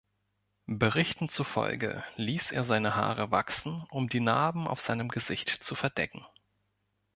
Berichten zufolge ließ er seine Haare wachsen, um die Narben auf seinem Gesicht zu verdecken.